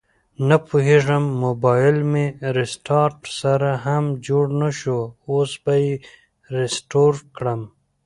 نپوهیږم مبایل مې ریسټارټ سره هم جوړ نشو، اوس به یې ریسټور کړم